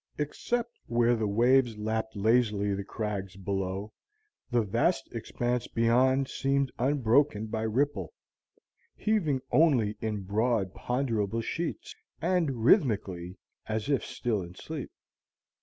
Except where the waves lapped lazily the crags below, the vast expanse beyond seemed unbroken by ripple, heaving only in broad ponderable sheets, and rhythmically, as if still in sleep.